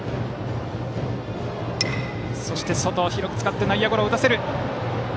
そして外を広く使って内野ゴロを打たせる。